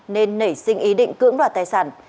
nên nảy sinh ý định cưỡng đoạt tài sản